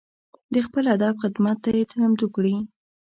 د خپل ادب خدمت ته یې چمتو کړي دي.